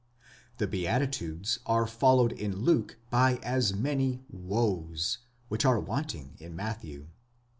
1* The beatitudes are followed in Luke by as many wes οὐαὶ, which are want ing in Matthew.